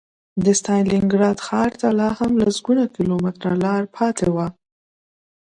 د ستالینګراډ ښار ته لا هم لسګونه کیلومتره لاره پاتې وه